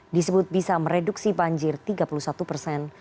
disebut bisa mereduksi banjir tiga puluh satu persen